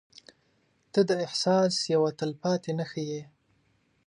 • ته د احساس یوه تلپاتې نښه یې.